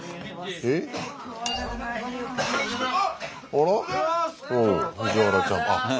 あらっ藤原ちゃん。